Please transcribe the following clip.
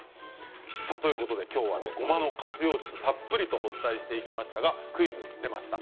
ということで今日はごまの活用術たっぷりお伝えしてきましたがクイズ出ました。